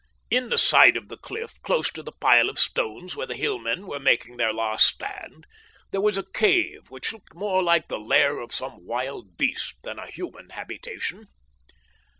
In the side of the cliff, close to the pile of stones where the Hillmen were making their last stand, there was a cave which looked more like the lair of some wild beast than a human habitation.